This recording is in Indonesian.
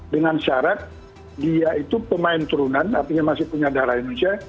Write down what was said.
dengan syarat dia itu pemain turunan artinya masih punya darah indonesia